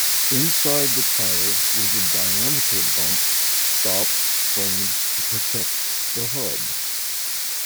Inside the tire was a diameter bump stop frame to protect the hub.